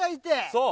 そう。